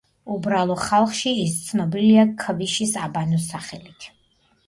უბრალო ხალხში ის ცნობილია „ქვიშის აბანოს“ სახელით.